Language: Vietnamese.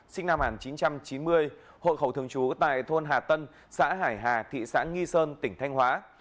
sinh năm một nghìn chín trăm chín mươi hộ khẩu thường trú tại thôn hà tân xã hải hà thị xã nghi sơn tỉnh thanh hóa